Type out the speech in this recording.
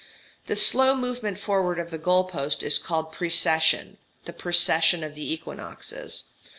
This slow movement forward of the goal post is called precession the precession of the equinoxes.